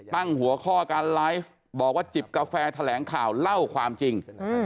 ตั้งหัวข้อการไลฟ์บอกว่าจิบกาแฟแถลงข่าวเล่าความจริง